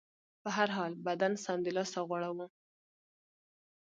په هر حال، بدن سمدلاسه د غوړو